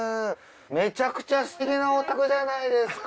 めちゃくちゃすてきなお宅じゃないですか。